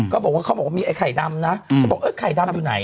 เขาบอกว่ามีไอ้ไข่ดำนะบอกว่าไอ้ไข่ดำอยู่ไหน